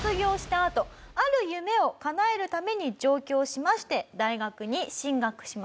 あとある夢をかなえるために上京しまして大学に進学します。